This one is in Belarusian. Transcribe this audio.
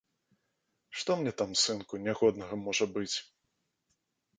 Што мне там, сынку, нягоднага можа быць?